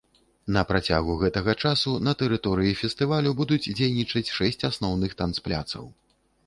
На працягу гэтага часу на тэрыторыі фестывалю будуць дзейнічаць шэсць асноўных танцпляцаў.